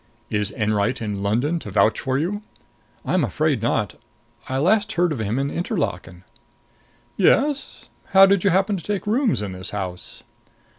"Is Enwright in London to vouch for you?" "I'm afraid not. I last heard of him in Interlaken." "Yes? How did you happen to take rooms in this house?"